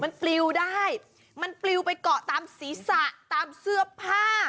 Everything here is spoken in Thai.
มันปลิวได้มันปลิวไปเกาะตามศีรษะตามเสื้อผ้า